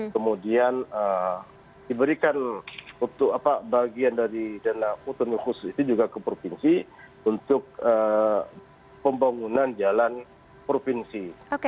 kemudian diberikan bagian dari dana otonomi khusus itu juga ke provinsi untuk pembangunan jalan provinsi